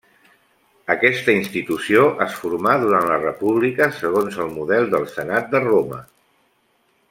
Aquesta institució es formà durant la República segons el model del senat de Roma.